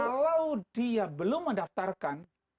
kalau dia belum mendaftarkan